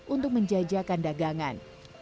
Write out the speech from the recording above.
untuk menjajakan dagangan